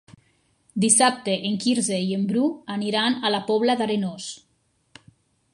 Dissabte en Quirze i en Bru aniran a la Pobla d'Arenós.